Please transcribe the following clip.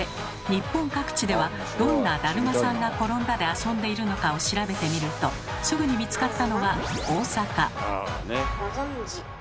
日本各地ではどんな「だるまさんがころんだ」で遊んでいるのかを調べてみるとすぐに見つかったのは大阪。